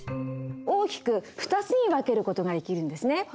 大きく２つに分ける事ができるんですね。